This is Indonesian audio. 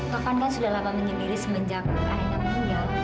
taufan kan sudah lama menyendiri semenjak aina meninggal